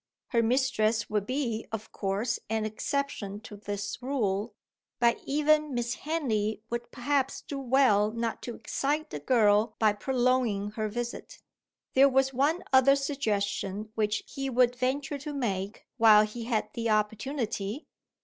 Her mistress would be, of course, an exception to this rule. But even Miss Henley would perhaps do well not to excite the girl by prolonging her visit. There was one other suggestion which he would venture to make, while he had the opportunity.